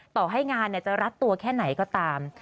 ต่อให้งานจะรัดตัวแค่ไหนก็ตาม